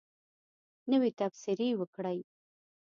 نوی تبصرې وکړئ